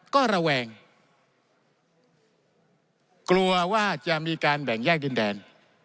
ก็ระแวงกลัวว่าจะมีการแบ่งแยกดินแดน